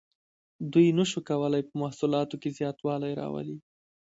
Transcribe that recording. دوی نشو کولی په محصولاتو کې زیاتوالی راولي.